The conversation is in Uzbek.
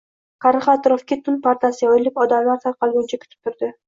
Qarg‘a atrofga tun pardasi yoyilib, odamlar tarqalguncha kutib turdi